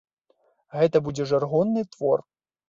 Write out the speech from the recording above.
Гэта будзе жаргонны твор.